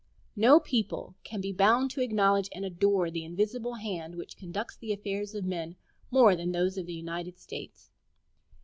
No people can be bound to acknowledge and adore the Invisible Hand which conducts the affairs of men more than those of the United States.